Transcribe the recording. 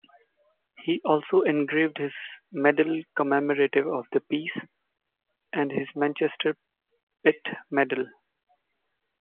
He also engraved his medal commemorative of the peace and his Manchester Pitt medal.